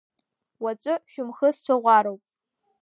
Уаҵәы шәымхы сцәаӷәароуп.